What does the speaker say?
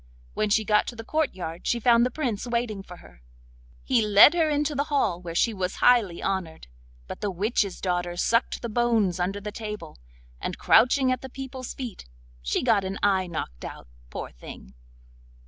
When she got to the courtyard she found the Prince waiting for her. He led her into the hall, where she was highly honoured; but the witch's daughter sucked the bones under the table, and crouching at the people's feet she got an eye knocked out, poor thing!